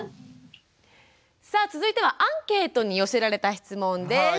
さあ続いてはアンケートに寄せられた質問です。